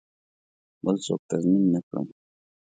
بل څوک تضمین نه کړم.